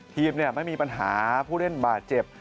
ทีมไม่มีปัญหาผู้เล่นบาดเจ็บ